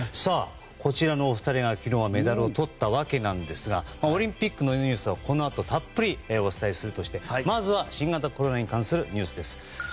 こちらのお二人が昨日はメダルをとったわけなんですがオリンピックのニュースはこのあとたっぷりお伝えするとしてまずは新型コロナに関するニュースです。